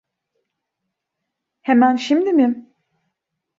Hemen şimdi mi?